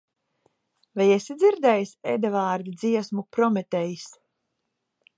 Vai esi dzirdējis Edavārdi dziesmu "Prometejs"?